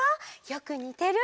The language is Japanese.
よくにてる！